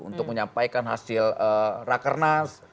untuk menyampaikan hasil rakernas